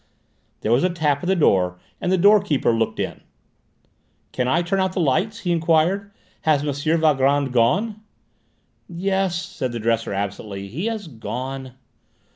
There was a tap at the door, and the door keeper looked in. "Can I turn out the lights?" he enquired. "Has M. Valgrand gone?" "Yes," said the dresser absently, "he has gone."